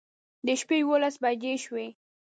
د شپې يوولس بجې شوې